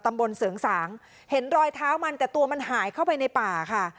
เสริงสางเห็นรอยเท้ามันแต่ตัวมันหายเข้าไปในป่าค่ะ